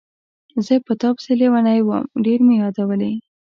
زه په تا پسې لیونی وم، ډېر مې یادولې.